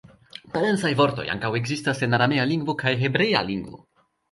Parencaj vortoj ankaŭ ekzistas en aramea lingvo kaj hebrea lingvo.